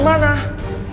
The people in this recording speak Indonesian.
biar kayak rifqi tuh